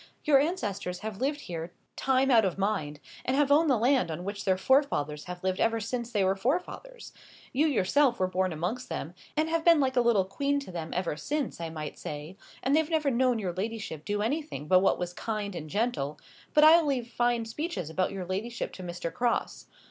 Your ancestors have lived here time out of mind, and have owned the land on which their forefathers have lived ever since there were forefathers. You yourself were born amongst them, and have been like a little queen to them ever since, I might say, and they've never known your ladyship do anything but what was kind and gentle; but I'll leave fine speeches about your ladyship to Mr. Crosse.